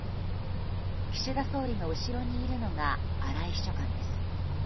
岸田総理の後ろにいるのが荒井秘書官です。